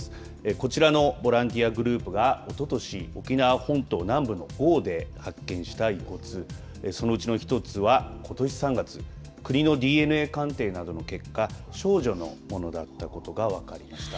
こちらのボランティアグループがおととし沖縄本島南部のごうで発見した遺骨そのうちの１つは、ことし３月国のＤＮＡ鑑定などの結果少女のものだったことが分かりました。